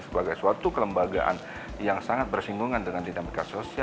sebagai suatu kelembagaan yang sangat bersinggungan dengan negara negara indonesia